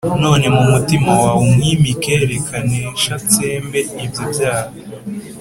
None mu mutima - waw’umwimike: rek’anesh’atsembe - ibyo byaha